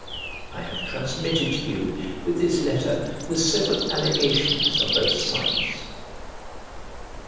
I have transmitted to you, with this letter, the several allegations on both sides.